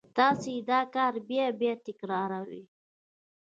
تاسې دا کار بیا بیا تکراروئ